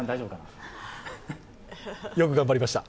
よく頑張りました。